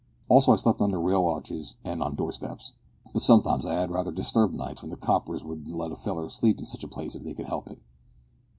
Also I slep' under railway arches, and on door steps. But sometimes I 'ad raither disturbed nights, 'cause the coppers wouldn't let a feller sleep in sitch places if they could 'elp it."